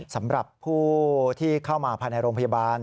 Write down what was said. สำหรับผู้ที่เข้ามาภายในโรงพยาบาล